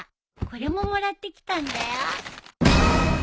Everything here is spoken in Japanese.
これももらってきたんだよ。